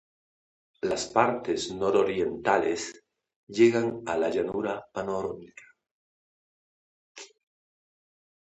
Las partes nororientales llegan a la Llanura Panónica.